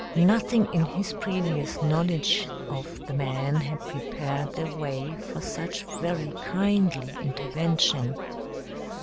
Nothing in his previous knowledge of the man had prepared the way for such very kindly intervention.